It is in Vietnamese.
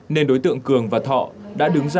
nên đối tượng cường và thọ đã đứng ra